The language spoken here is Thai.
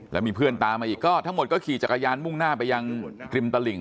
แล้วมีเพื่อนตามมาอีกก็ทั้งหมดก็ขี่จักรยานมุ่งหน้าไปยังริมตลิ่ง